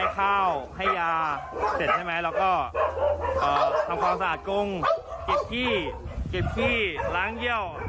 เก็บขี้เก็บขี้ล้างเยี่ยว